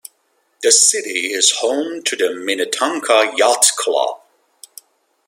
The city is home to the Minnetonka Yacht Club.